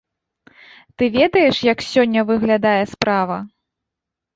Ты ведаеш, як сёння выглядае справа?